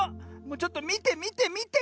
ちょっとみてみてみて。